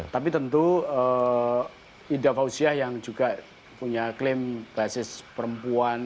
tapi tentu ida fauziah yang juga punya klaim basis perempuan